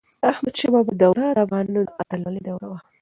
د احمد شاه بابا دور د افغانانو د اتلولی دوره وه.